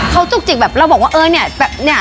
เขาจุกจิกแบบเราบอกว่าเออเนี่ยแบบเนี่ย